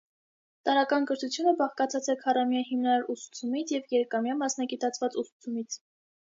Տարրական կրթությունը բաղկացած է քառամյա հիմնարար ուսուցումից և երկամյա մասնագիտացված ուսուցումից։